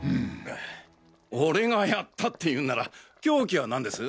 俺がやったって言うんなら凶器は何です？